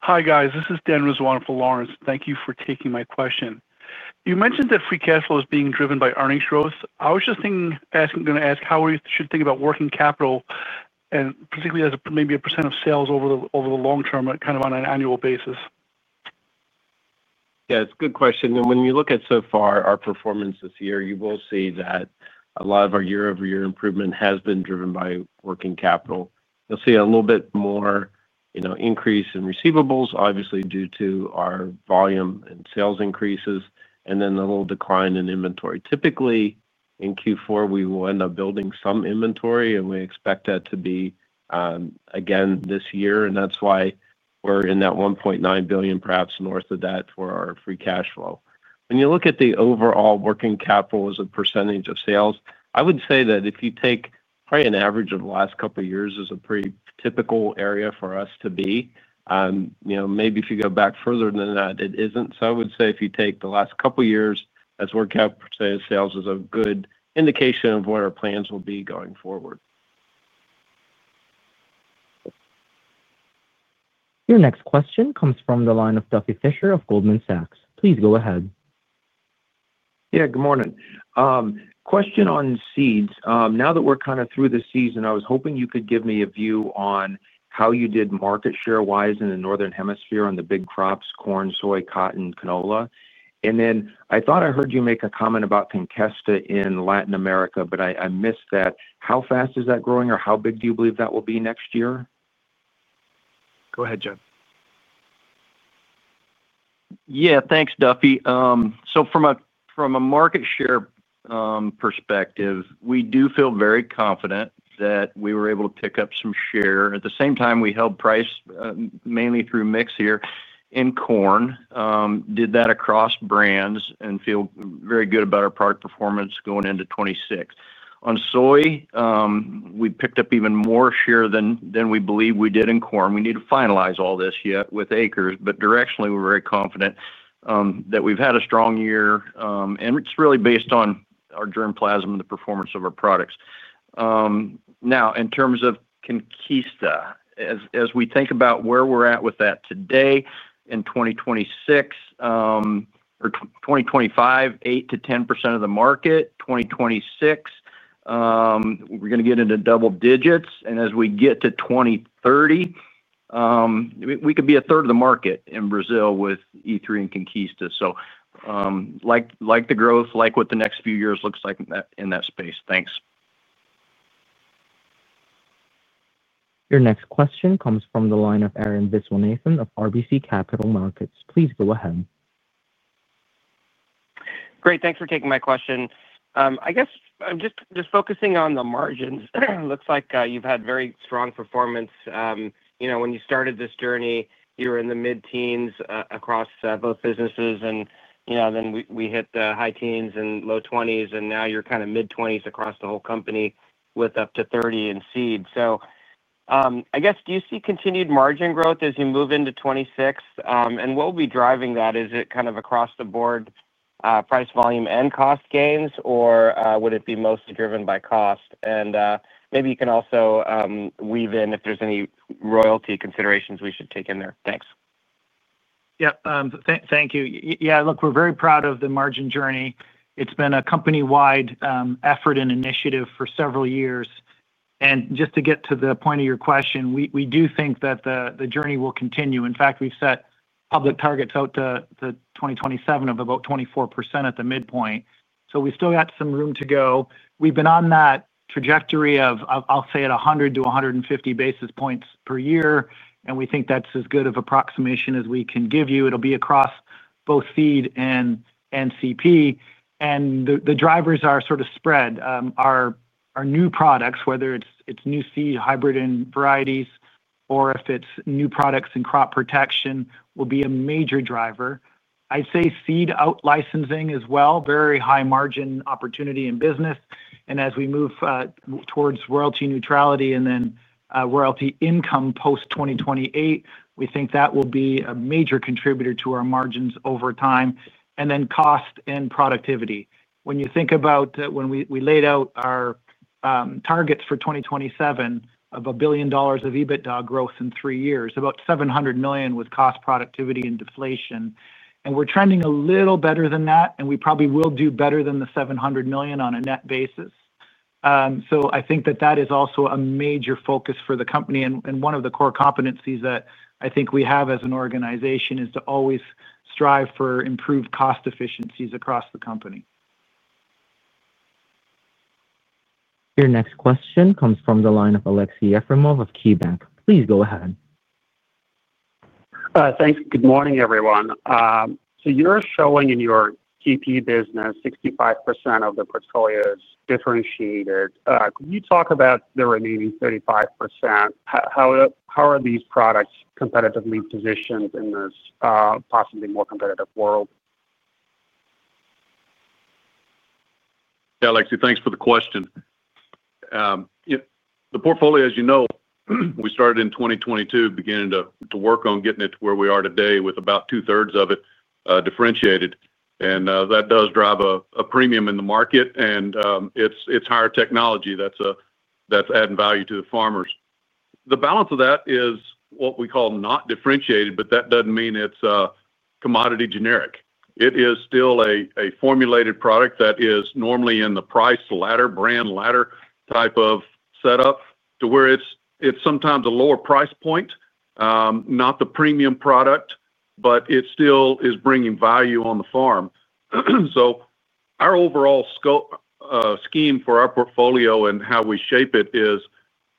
Hi, guys. This is Dan Rizwan from Lawrence. Thank you for taking my question. You mentioned that free cash flow is being driven by earnings growth. I was just going to ask how we should think about working capital, and particularly as maybe a percent of sales over the long term, kind of on an annual basis. Yeah. It's a good question. When you look at so far our performance this year, you will see that a lot of our year-over-year improvement has been driven by working capital. You'll see a little bit more increase in receivables, obviously due to our volume and sales increases, and then a little decline in inventory. Typically, in Q4, we will end up building some inventory, and we expect that to be again this year. That's why we're in that $1.9 billion, perhaps north of that, for our free cash flow. When you look at the overall working capital as a percentage of sales, I would say that if you take probably an average of the last couple of years as a pretty typical area for us to be, maybe if you go back further than that, it isn't. I would say if you take the last couple of years as working capital percentage of sales, it is a good indication of what our plans will be going forward. Your next question comes from the line of Duffy Fischer of Goldman Sachs. Please go ahead. Yeah. Good morning. Question on seeds. Now that we're kind of through the season, I was hoping you could give me a view on how you did market share-wise in the northern hemisphere on the big crops: corn, soy, cotton, canola. I thought I heard you make a comment about Conkesta in Latin America, but I missed that. How fast is that growing, or how big do you believe that will be next year? Go ahead, Judd. Yeah. Thanks, Duffy. From a market share perspective, we do feel very confident that we were able to pick up some share. At the same time, we held price mainly through mix here in corn, did that across brands, and feel very good about our product performance going into 2026. On soy, we picked up even more share than we believe we did in corn. We need to finalize all this yet with acres, but directionally, we're very confident that we've had a strong year. And it's really based on our germplasm and the performance of our products. Now, in terms of Conkesta, as we think about where we're at with that today in 2026 or 2025, 8%-10% of the market. 2026, we're going to get into double digits. As we get to 2030, we could be a third of the market in Brazil with E3 and Conkesta. Like the growth, like what the next few years looks like in that space. Thanks. Your next question comes from the line of Aaron Viswanathan of RBC Capital Markets. Please go ahead. Great. Thanks for taking my question. I guess I'm just focusing on the margins. Looks like you've had very strong performance. When you started this journey, you were in the mid-teens across both businesses. Then we hit the high teens and low 20s. Now you're kind of mid-20s across the whole company with up to 30% in seeds. I guess, do you see continued margin growth as you move into 2026? What will be driving that? Is it kind of across the board price, volume, and cost gains, or would it be mostly driven by cost? Maybe you can also weave in if there's any royalty considerations we should take in there. Thanks. Yeah. Thank you. Yeah. Look, we're very proud of the margin journey. It's been a company-wide effort and initiative for several years. Just to get to the point of your question, we do think that the journey will continue. In fact, we've set public targets out to 2027 of about 24% at the midpoint. We've still got some room to go. We've been on that trajectory of, I'll say, 100-150 basis points per year. We think that's as good of approximation as we can give you. It'll be across both seed and NCP. The drivers are sort of spread. Our new products, whether it's new seed, hybrid, and varieties, or if it's new products in crop protection, will be a major driver. I'd say seed out-licensing as well. Very high margin opportunity in business. As we move towards royalty neutrality and then royalty income post-2028, we think that will be a major contributor to our margins over time. Cost and productivity. When you think about when we laid out our targets for 2027 of $1 billion of EBITDA growth in three years, about $700 million with cost, productivity, and deflation. We are trending a little better than that, and we probably will do better than the $700 million on a net basis. I think that is also a major focus for the company. One of the core competencies that I think we have as an organization is to always strive for improved cost efficiencies across the company. Your next question comes from the line of Aleksey V. Yefremov of KeyBanc Capital Markets. Please go ahead. Thanks. Good morning, everyone. So you're showing in your TP business 65% of the portfolio is differentiated. Could you talk about the remaining 35%? How are these products competitively positioned in this possibly more competitive world? Yeah, Aleksey, thanks for the question. The portfolio, as you know, we started in 2022, beginning to work on getting it to where we are today with about two-thirds of it differentiated. That does drive a premium in the market, and it's higher technology that's adding value to the farmers. The balance of that is what we call not differentiated, but that doesn't mean it's a commodity generic. It is still a formulated product that is normally in the price ladder, brand ladder type of setup to where it's sometimes a lower price point. Not the premium product, but it still is bringing value on the farm. So our overall. Scheme for our portfolio and how we shape it is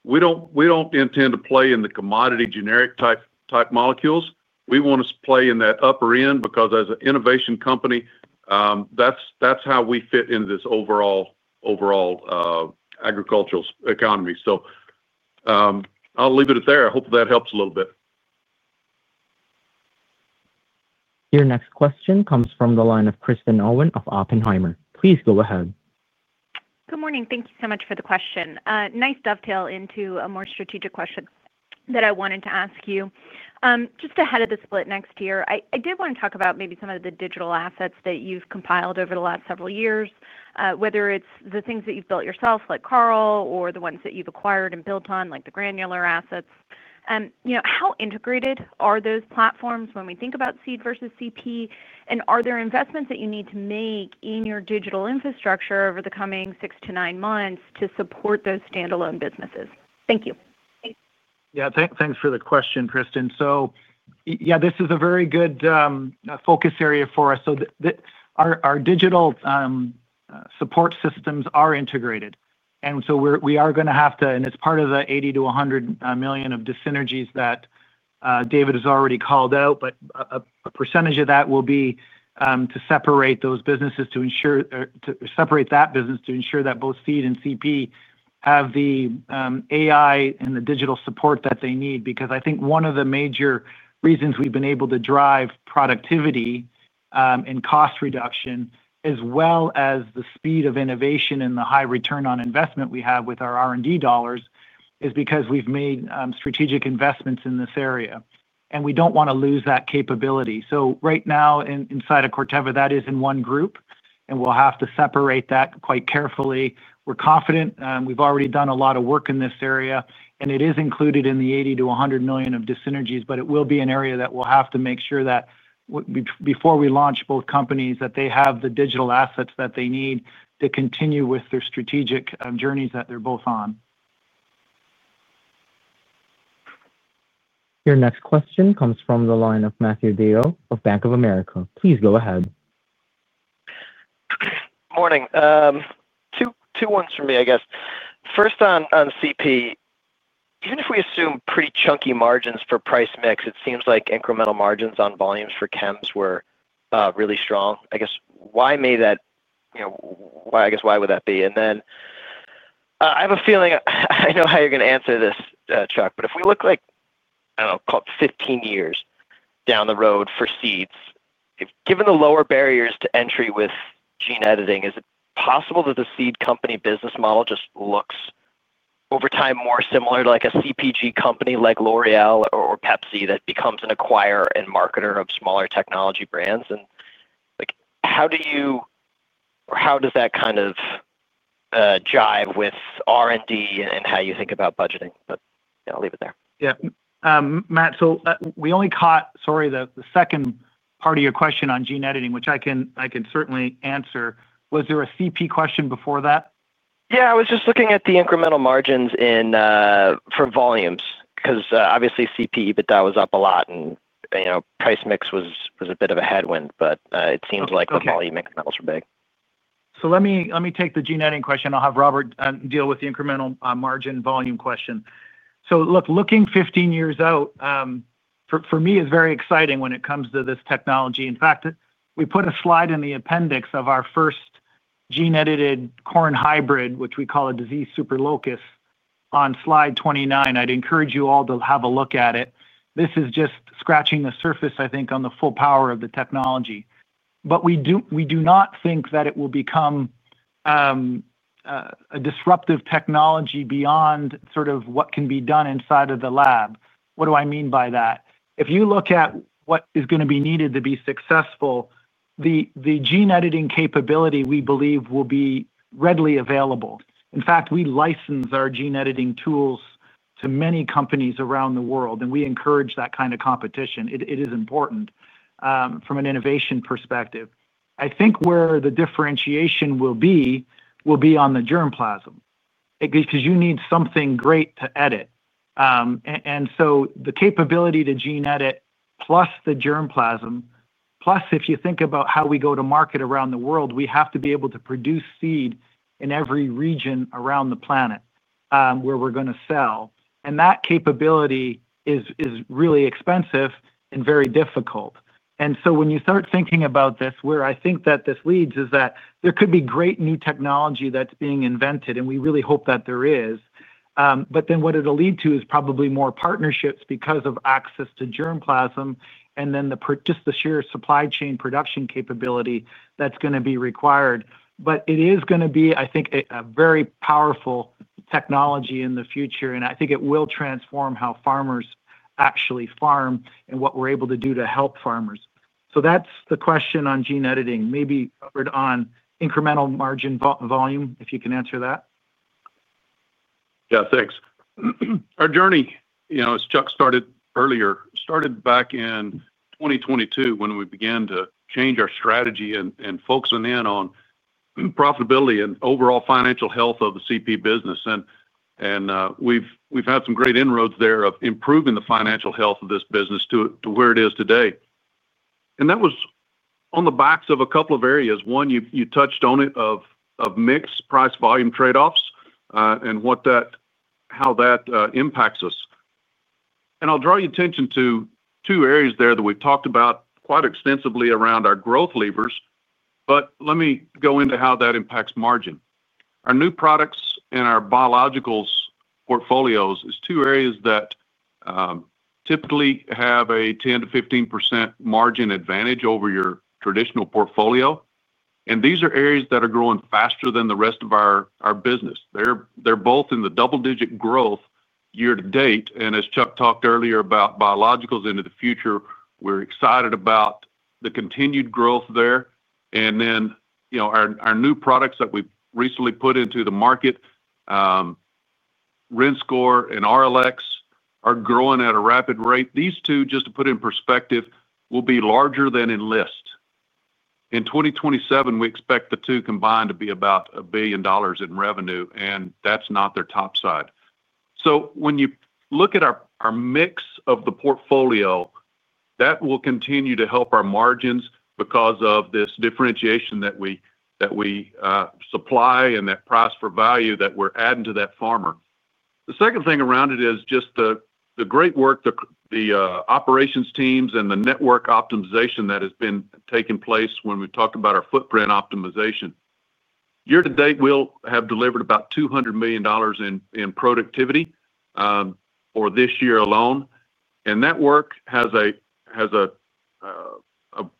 we do not intend to play in the commodity generic type molecules. We want to play in that upper end because, as an innovation company, that is how we fit into this overall agricultural economy. I will leave it at there. I hope that helps a little bit. Your next question comes from the line of Kristen Owen of Oppenheimer. Please go ahead. Good morning. Thank you so much for the question. Nice dovetail into a more strategic question that I wanted to ask you. Just ahead of the split next year, I did want to talk about maybe some of the digital assets that you have compiled over the last several years, whether it is the things that you have built yourself, like [Carl], or the ones that you have acquired and built on, like the Granular assets. How integrated are those platforms when we think about seed versus CP? And are there investments that you need to make in your digital infrastructure over the coming six to nine months to support those standalone businesses? Thank you. Yeah. Thanks for the question, Kristen. Yeah, this is a very good focus area for us. Our digital support systems are integrated. We are going to have to, and it's part of the $80 million-$100 million of the synergies that David has already called out, but a percentage of that will be to separate those businesses to ensure, to separate that business to ensure that both seed and CP have the AI and the digital support that they need. Because I think one of the major reasons we've been able to drive productivity. Cost reduction, as well as the speed of innovation and the high return on investment we have with our R&D dollars, is because we've made strategic investments in this area. We do not want to lose that capability. Right now, inside of Corteva, that is in one group, and we'll have to separate that quite carefully. We're confident. We've already done a lot of work in this area. It is included in the $80 million-$100 million of the synergies, but it will be an area that we'll have to make sure that before we launch both companies, they have the digital assets that they need to continue with their strategic journeys that they're both on. Your next question comes from the line of Matthew Deo of Bank of America. Please go ahead. Morning. Two ones for me, I guess. First, on CP. Even if we assume pretty chunky margins for price mix, it seems like incremental margins on volumes for chems were really strong. I guess, why would that be? I have a feeling I know how you're going to answer this, Chuck, but if we look like, I don't know, 15 years down the road for seeds, given the lower barriers to entry with gene editing, is it possible that the seed company business model just looks, over time, more similar to a CPG company like L'Oréal or Pepsi that becomes an acquirer and marketer of smaller technology brands? How do you, or how does that kind of jive with R&D and how you think about budgeting? I'll leave it there. Yeah. Matt, so we only caught, sorry, the second part of your question on gene editing, which I can certainly answer. Was there a CP question before that? Yeah. I was just looking at the incremental margins. For volumes because, obviously, CP, EBITDA was up a lot, and price mix was a bit of a headwind. It seems like the volume incrementals were big. Let me take the gene editing question. I'll have Robert deal with the incremental margin volume question. Look, looking 15 years out. For me, it's very exciting when it comes to this technology. In fact, we put a slide in the appendix of our first gene-edited corn hybrid, which we call a disease super locus, on slide 29. I'd encourage you all to have a look at it. This is just scratching the surface, I think, on the full power of the technology. We do not think that it will become. A disruptive technology beyond sort of what can be done inside of the lab. What do I mean by that? If you look at what is going to be needed to be successful, the gene editing capability we believe will be readily available. In fact, we license our gene editing tools to many companies around the world, and we encourage that kind of competition. It is important from an innovation perspective. I think where the differentiation will be will be on the germplasm because you need something great to edit. The capability to gene edit plus the germplasm, plus if you think about how we go to market around the world, we have to be able to produce seed in every region around the planet where we're going to sell. That capability is really expensive and very difficult. When you start thinking about this, where I think that this leads is that there could be great new technology that's being invented, and we really hope that there is. What it'll lead to is probably more partnerships because of access to germplasm and just the sheer supply chain production capability that's going to be required. It is going to be, I think, a very powerful technology in the future. I think it will transform how farmers actually farm and what we're able to do to help farmers. That's the question on gene editing. Maybe covered on incremental margin volume, if you can answer that. Yeah. Thanks. Our journey, as Chuck started earlier, started back in 2022 when we began to change our strategy and focusing in on profitability and overall financial health of the CP business. We've had some great inroads there of improving the financial health of this business to where it is today. That was on the back of a couple of areas. One, you touched on it, of mixed price-volume trade-offs and how that impacts us. I'll draw your attention to two areas there that we've talked about quite extensively around our growth levers. Let me go into how that impacts margin. Our new products and our biologicals portfolios are two areas that typically have a 10-15% margin advantage over your traditional portfolio. These are areas that are growing faster than the rest of our business. They're both in the double-digit growth year to date. As Chuck talked earlier about biologicals into the future, we're excited about the continued growth there. Our new products that we've recently put into the market. Rinskor and Arylex are growing at a rapid rate. These two, just to put it in perspective, will be larger than Enlist. In 2027, we expect the two combined to be about $1 billion in revenue, and that's not their top side. When you look at our mix of the portfolio, that will continue to help our margins because of this differentiation that we supply and that price for value that we're adding to that farmer. The second thing around it is just the great work, the operations teams, and the network optimization that has been taking place when we talk about our footprint optimization. Year to date, we'll have delivered about $200 million in productivity for this year alone. That work has a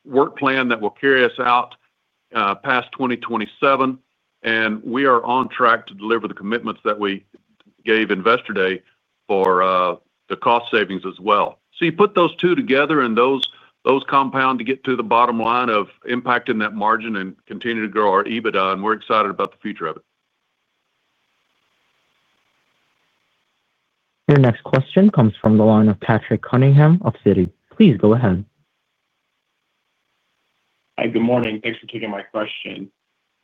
work plan that will carry us out past 2027. We are on track to deliver the commitments that we gave investor day for the cost savings as well. You put those two together and those compound to get to the bottom line of impacting that margin and continuing to grow our EBITDA, and we're excited about the future of it. Your next question comes from the line of Patrick Cunningham of Citi. Please go ahead. Hi. Good morning. Thanks for taking my question.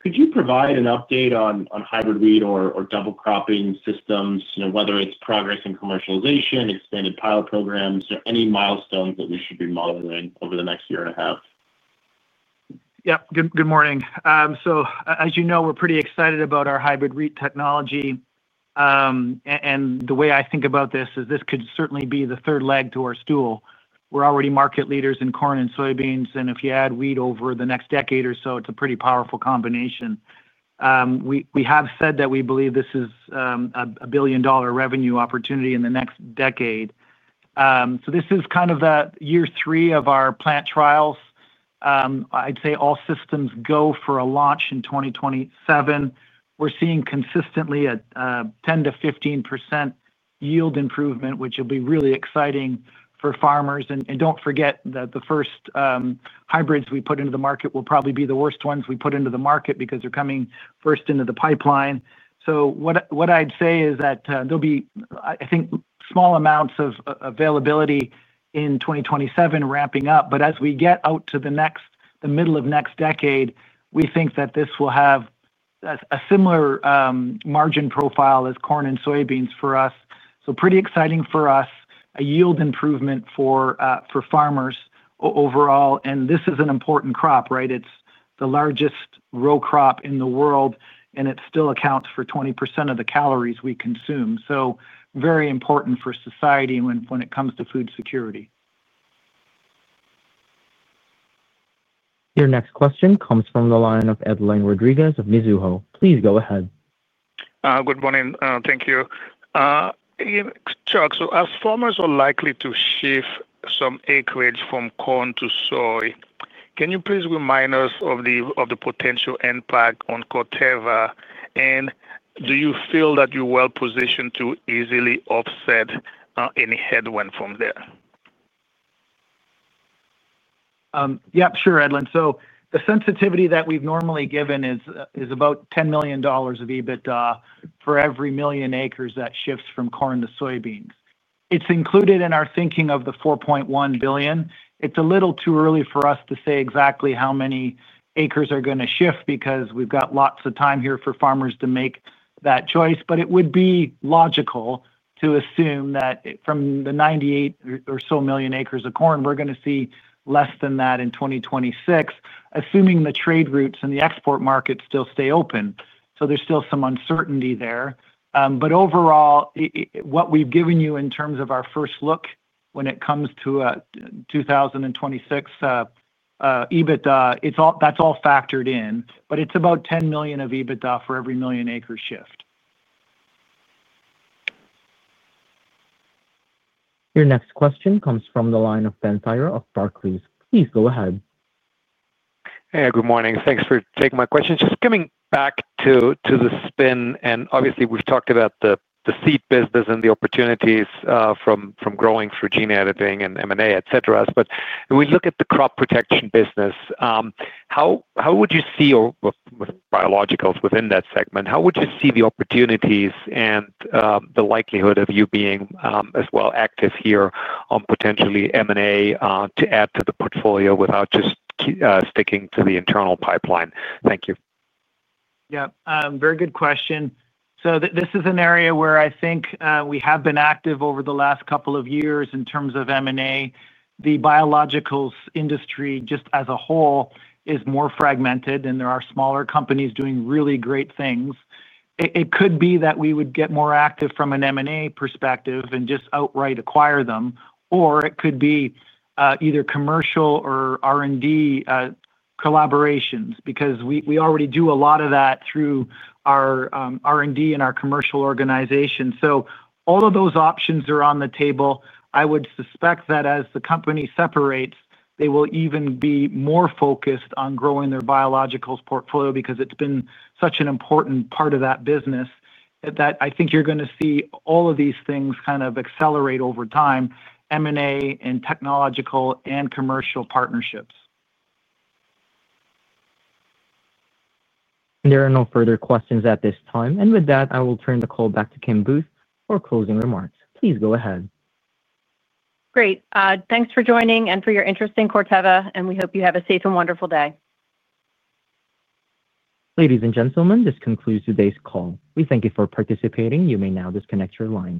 Could you provide an update on hybrid wheat or double cropping systems, whether it's progress in commercialization, expanded pilot programs, or any milestones that we should be monitoring over the next year and a half? Yeah. Good morning. As you know, we're pretty excited about our hybrid wheat technology. The way I think about this is this could certainly be the third leg to our stool. We're already market leaders in corn and soybeans, and if you add wheat over the next decade or so, it's a pretty powerful combination. We have said that we believe this is a billion-dollar revenue opportunity in the next decade. This is kind of year three of our plant trials. I'd say all systems go for a launch in 2027. We're seeing consistently a 10-15% yield improvement, which will be really exciting for farmers. Do not forget that the first hybrids we put into the market will probably be the worst ones we put into the market because they're coming first into the pipeline. What I'd say is that there'll be, I think, small amounts of availability in 2027 wrapping up. As we get out to the middle of next decade, we think that this will have a similar. Margin profile as corn and soybeans for us. So pretty exciting for us, a yield improvement for. Farmers overall. And this is an important crop, right? It's the largest row crop in the world, and it still accounts for 20% of the calories we consume. So very important for society when it comes to food security. Your next question comes from the line of Edlain Rodriguez of Mizuho. Please go ahead. Good morning. Thank you. Chuck, so as farmers are likely to shift some acreage from corn to soy, can you please remind us of the potential impact on Corteva? And do you feel that you're well positioned to easily offset any headwind from there? Yeah. Sure, Edwin. So the sensitivity that we've normally given is about $10 million of EBITDA for every million acres that shifts from corn to soybeans. It's included in our thinking of the $4.1 billion. It's a little too early for us to say exactly how many acres are going to shift because we've got lots of time here for farmers to make that choice. It would be logical to assume that from the 98 or so million acres of corn, we're going to see less than that in 2026, assuming the trade routes and the export markets still stay open. There's still some uncertainty there. Overall, what we've given you in terms of our first look when it comes to 2026 EBITDA, that's all factored in. It's about $10 million of EBITDA for every million-acre shift. Your next question comes from the line of Ben Thayer of Barclays. Please go ahead. Hey. Good morning. Thanks for taking my question. Just coming back to the spin, and obviously, we've talked about the seed business and the opportunities from growing through gene editing and M&A, etc. But when we look at the crop protection business, how would you see or biologicals within that segment, how would you see the opportunities and the likelihood of you being as well active here on potentially M&A to add to the portfolio without just sticking to the internal pipeline? Thank you. Yeah. Very good question. This is an area where I think we have been active over the last couple of years in terms of M&A. The biologicals industry just as a whole is more fragmented, and there are smaller companies doing really great things. It could be that we would get more active from an M&A perspective and just outright acquire them. Or it could be either commercial or R&D. Collaborations because we already do a lot of that through our R&D and our commercial organization. All of those options are on the table. I would suspect that as the company separates, they will even be more focused on growing their biologicals portfolio because it's been such an important part of that business. I think you're going to see all of these things kind of accelerate over time, M&A and technological and commercial partnerships. There are no further questions at this time. With that, I will turn the call back to Kim Booth for closing remarks. Please go ahead. Great. Thanks for joining and for your interest in Corteva, and we hope you have a safe and wonderful day. Ladies and gentlemen, this concludes today's call. We thank you for participating. You may now disconnect your line.